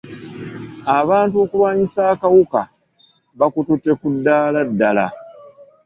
Abantu okulwanisa akawuka bakututte ku ddaala ddala.